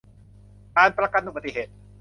การประกันอุบัติเหตุ